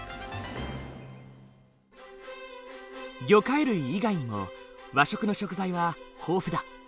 魚介類以外にも和食の食材は豊富だ。